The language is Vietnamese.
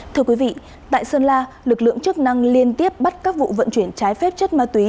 thưa quý vị tại sơn la lực lượng chức năng liên tiếp bắt các vụ vận chuyển trái phép chất ma túy